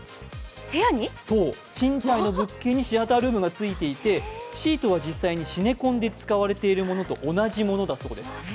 賃貸の物件にシアタールームが付いていて、シートは実際にシネコンで使われているものと同じものだそうです。